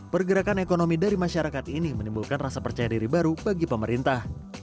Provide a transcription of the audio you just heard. pergerakan ekonomi dari masyarakat ini menimbulkan rasa percaya diri baru bagi pemerintah